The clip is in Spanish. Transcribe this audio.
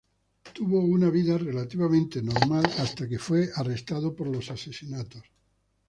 Tuvo una vida relativamente normal hasta que fue arrestado por los asesinatos.